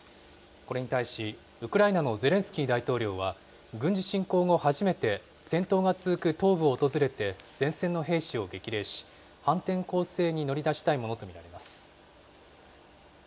これに対し、ウクライナのゼレンスキー大統領は、軍事侵攻後、初めて戦闘が続く東部を訪れて、前線の兵士を激励し、反転攻勢に乗り出したいものと見られます。